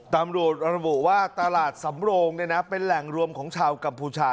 ตำรวจระบุว่าตลาดสำโรงเป็นแหล่งรวมของชาวกัมพูชา